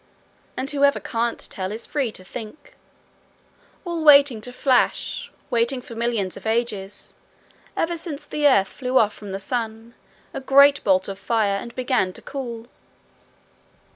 and whoever can't tell is free to think all waiting to flash, waiting for millions of ages ever since the earth flew off from the sun, a great blot of fire, and began to cool.